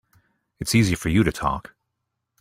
It's easy for you to talk.